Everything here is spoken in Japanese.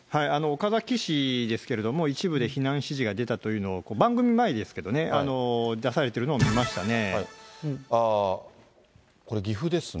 岡崎市ですけれども、一部で避難指示が出たというのを、番組前ですけどね、これ、岐阜ですね。